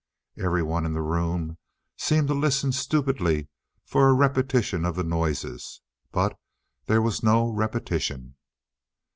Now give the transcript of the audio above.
Everyone in the room seemed to listen stupidly for a repetition of the noises. But there was no repetition.